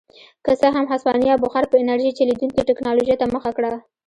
که څه هم هسپانیا بخار په انرژۍ چلېدونکې ټکنالوژۍ ته مخه کړه.